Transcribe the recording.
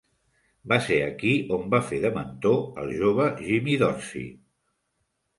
Va ser aquí on va fer de mentor al jove Jimmy Dorsey.